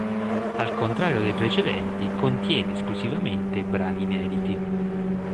Al contrario dei precedenti contiene esclusivamente brani inediti.